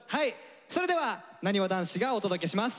それではなにわ男子がお届けします。